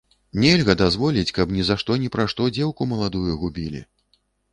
Нельга дазволіць, каб ні за што ні пра што дзеўку маладую губілі.